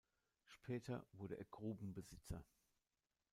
Später wurde er Grubenbesitzer.